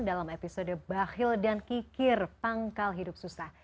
dalam episode bahil dan kikir pangkal hidup susah